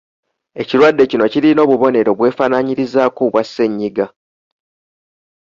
Ekirwadde kino kirina obubonero obwefaanaanyirizaako obwa ssennyiga.